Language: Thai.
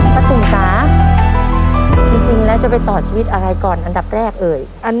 ตุ๋มจ๋าจริงแล้วจะไปต่อชีวิตอะไรก่อนอันดับแรกเอ่ย